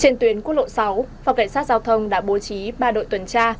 trên tuyến quốc lộ sáu phòng cảnh sát giao thông đã bố trí ba đội tuần tra